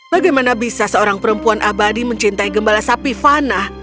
bagaimana bisa seorang perempuan abadi mencintai gembala sapi fanah